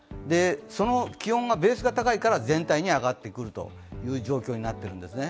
その気温がベースが高いから全体に上がってくるという状況になっているんですね。